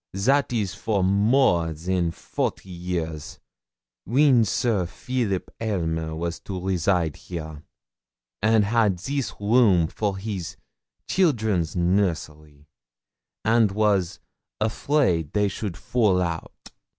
'That is for more a than forty years, when Sir Phileep Aylmer was to reside here, and had this room for his children's nursery, and was afraid they should fall out.'